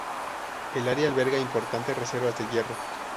El área alberga importantes reservas de hierro.